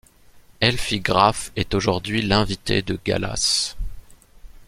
Elfi Graf est aujourd'hui l'invitée de galas.